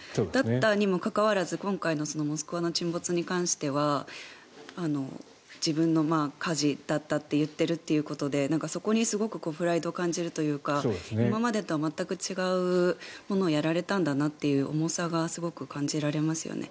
そうにもかかわらず今回のモスクワの沈没に関しては自分の火事だったと言っているということでそこにすごくプライドを感じるというか今までとは違うものをやられたんだという重さがすごく感じられますよね。